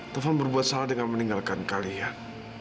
tuhan berbuat salah dengan meninggalkan kalian